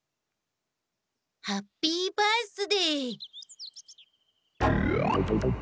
ハッピー・バースデー！